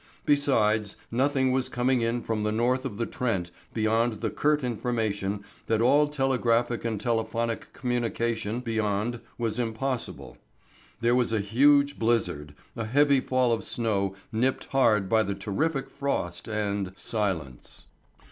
Besides, nothing was coming in from the North of the Trent beyond the curt information that all telegraphic and telephonic communication beyond was impossible. There was a huge blizzard, a heavy fall of snow nipped hard by the terrific frost and silence.